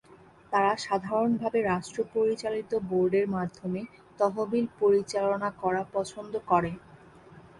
তারা সাধারণভাবে রাষ্ট্র পরিচালিত বোর্ডের মাধ্যমে তহবিল পরিচালনা করা পছন্দ করে।